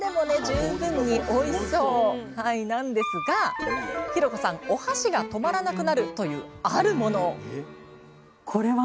十分においしそうなんですが浩子さんお箸が止まらなくなるというあるものを！